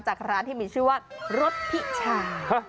ร้านที่มีชื่อว่ารสพิชา